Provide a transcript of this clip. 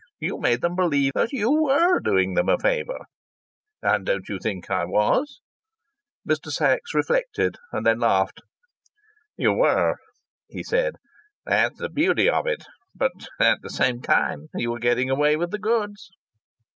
You made them believe you were doing them a favour." "And don't you think I was?" Mr. Sachs reflected, and then laughed. "You were," he said. "That's the beauty of it. But at the same time you were getting away with the goods!"